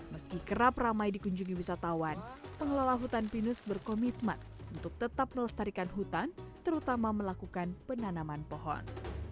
meski kerap ramai dikunjungi wisatawan pengelola hutan pinus berkomitmen untuk tetap melestarikan hutan terutama melakukan penanaman pohon